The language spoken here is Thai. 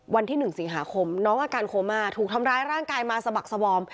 วันที่๑สิงหาคมน้องอาการโคม่าถูกทำร้ายร่างกายมาสะบักสวอม